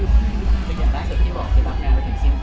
อย่างหลังจากที่บอกคือรับงานเราถึงสิ้นที